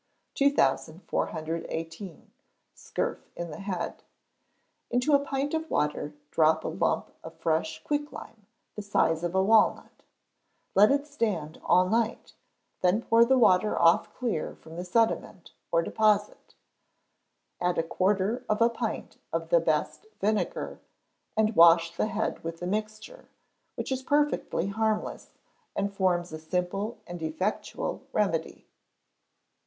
2418. Scurf in the Head. Into a pint of water drop a lump of fresh quicklime, the size of a walnut; let it stand all night, then pour the water off clear from sediment or deposit, add a quarter of a pint of the best vinegar, and wash the head with the mixture, which is perfectly harmless, and forms a simple and effectual remedy.